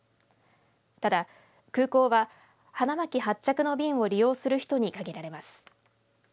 ただ、空港は花巻発着の便を利用する人に限られます。